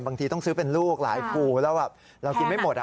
บางทีต้องซื้อเป็นลูกหลายภูแล้วแบบเรากินไม่หมด